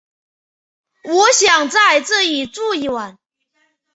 我想在这里住一晚